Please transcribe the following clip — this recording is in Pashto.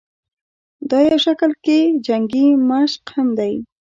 دا يو شکل کښې جنګي مشق هم دے